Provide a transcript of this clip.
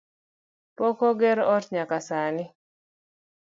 Pok oger ot nyaka sani